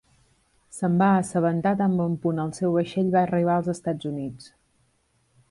Se'n va assabentar tan bon punt el seu vaixell va arribar als Estats Units.